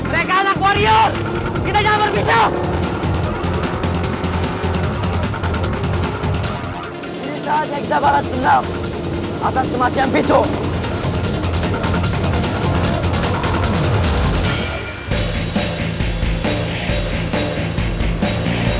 mereka anak warrior